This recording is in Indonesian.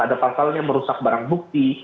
ada pasalnya merusak barang bukti